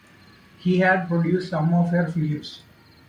He had produced some of her films.